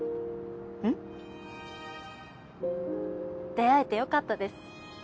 出会えてよかったです。